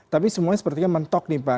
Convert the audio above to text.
tapi semuanya sepertinya mentok nih pak